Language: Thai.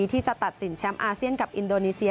ที่จะตัดสินแชมป์อาเซียนกับอินโดนีเซีย